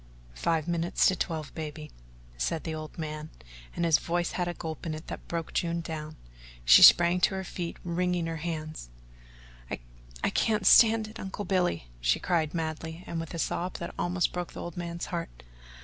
"Five minutes to twelve, baby," said the old man, and his voice had a gulp in it that broke June down. She sprang to her feet wringing her hands: "I can't stand it, Uncle Billy," she cried madly, and with a sob that almost broke the old man's heart.